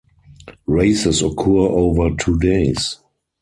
Races occur over two days.